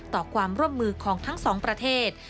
ต่อความร่วมมือของทั้งสองประเทศ